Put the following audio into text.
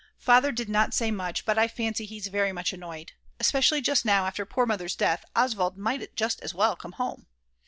Father did not say much, but I fancy he's very much annoyed. Especially just now, after poor Mother's death, Oswald might just as well come home.